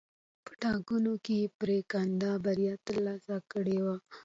په ټاکنو کې یې پرېکنده بریا ترلاسه کړې وه.